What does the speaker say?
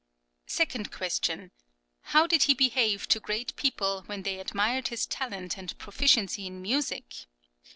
Second question: "How did he behave to great people when they admired his talent and proficiency in music?"